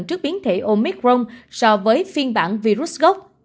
trước biến thể omicron so với phiên bản virus gốc